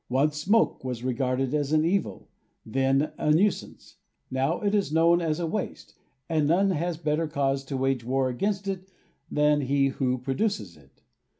Once smoke was regarded as an evil, then a nuisance ; now it is known as a waste, and none has better cause to wage war against it than he who produces it.